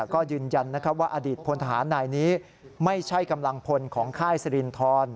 ก็ยืนยันว่าอดีตพลทหารนายนี้ไม่ใช่กำลังพลของค่ายสรินทร